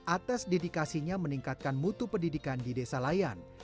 atas dedikasinya meningkatkan mutu pendidikan di desa layan